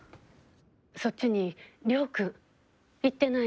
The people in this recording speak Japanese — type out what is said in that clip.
そっちに亮君行ってない？